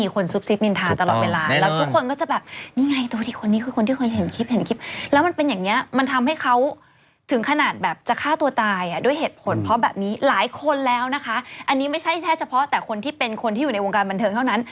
ค่อยปรับเปลี่ยนตามสไตล์ของเรา